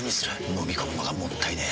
のみ込むのがもったいねえ。